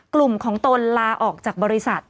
กลุ่มของตนลาออกจากบริษัท